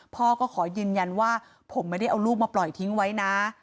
พ่อก็ขอยืนยันว่าผมไม่ได้เอาลูกมาปล่อยทิ้งไว้นะ